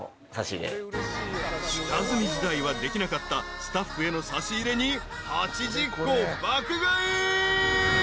［下積み時代はできなかったスタッフへの差し入れに８０個爆買い］